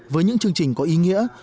với những chương trình có ý nghĩa